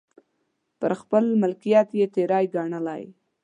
پر خپل ملکیت یې تېری ګڼلی.